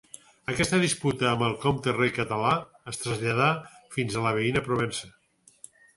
Aquesta disputa amb el comte-rei català es traslladà fins a la veïna Provença.